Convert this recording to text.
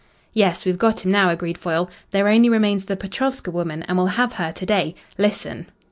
"Yes, we've got him now," agreed Foyle. "There only remains the Petrovska woman, and we'll have her to day. Listen."